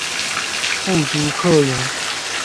父朱克融。